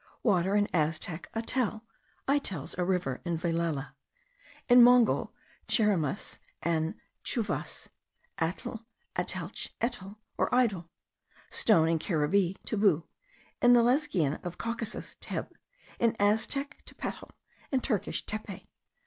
Water, in Aztec, atel (itels, a river, in Vilela); in Mongol, Tscheremiss, and Tschouvass, atl, atelch, etel, or idel. Stone, in Caribbee, tebou; in the Lesgian of Caucasus, teb; in Aztec, tepetl; in Turkish, tepe.